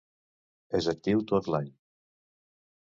És actiu tot l'any.